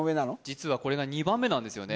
実はこれが２番目なんですよね